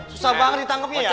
susah banget ditangkepnya ya